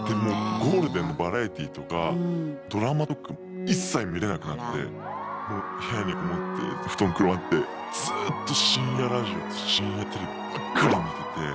ゴールデンのバラエティーとかドラマとか一切見れなくなってもう部屋に籠もって布団くるまってずっと深夜ラジオと深夜テレビばっかり見てて。